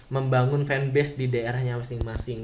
membangun fan base di daerahnya masing masing